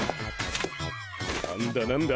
・何だ何だ？